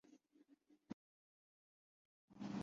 میں تعطل سے بڑی بڑی فلمی